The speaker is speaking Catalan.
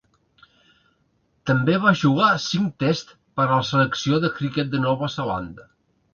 També va jugar cinc "Tests" per a la selecció de criquet de Nova Zelanda.